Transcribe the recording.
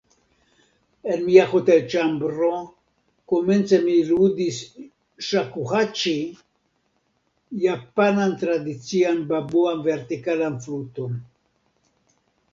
En mia hotelĉambro, komence mi ludis ŝakuhaĉi, japanan tradician bambuan vertikalan fluton.